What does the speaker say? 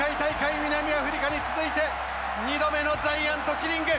南アフリカに続いて、２度目のジャイアントキリング。